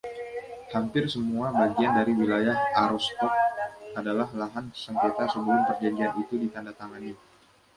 Hampir semua bagian dari Wilayah Aroostook adalah lahan sengketa sebelum perjanjian itu ditandatangani.